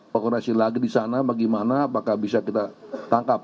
koordinasi lagi di sana bagaimana apakah bisa kita tangkap